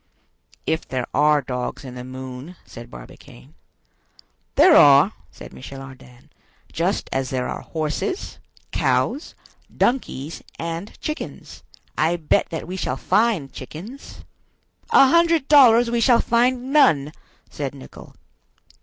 "If there are dogs in the moon," said Barbicane. "There are," said Michel Ardan, "just as there are horses, cows, donkeys, and chickens. I bet that we shall find chickens." "A hundred dollars we shall find none!" said Nicholl.